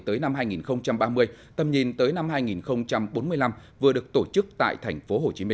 tới năm hai nghìn ba mươi tầm nhìn tới năm hai nghìn bốn mươi năm vừa được tổ chức tại tp hcm